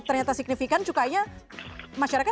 ternyata signifikan cukainya masyarakat